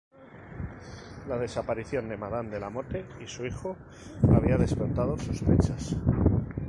La desaparición de Madame de la Motte y su hijo había despertado sospechas.